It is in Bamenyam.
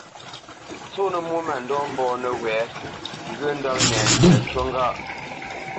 Ntsónə́ mwô mândɔ̂ mbɔ̂ nəwɛ̌, ŋgyə̂ ndɔ́p nɛŋgywa ncú ŋgâʼ.